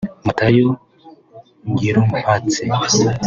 Matayo Ngirumpatse